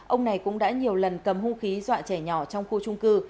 ông này cũng đã nhiều lần cầm hung khí dọa trẻ nhỏ trong khu trung cư